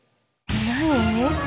何？